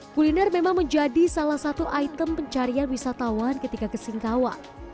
kuliner memang menjadi salah satu item pencarian wisatawan ketika ke singkawa